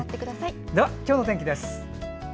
では、今日の天気です。